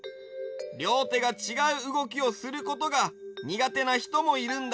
りょうてがちがううごきをすることがにがてなひともいるんだ。